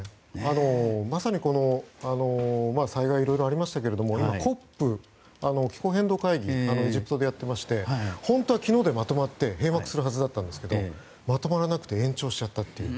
まさに災害いろいろありましたけど今、ＣＯＰ・気候変動会議をエジプトでやってまして本当は昨日でまとまって閉幕するはずだったんですがまとまらなくて延長しちゃったっていう。